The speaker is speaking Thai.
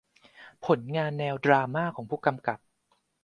ผลงานแนวดราม่าของผู้กำกับ